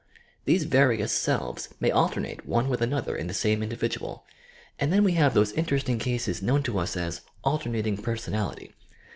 These various selves may alternate one with another in the same individual, and then we have those interesting cases known to us as "alternating personality."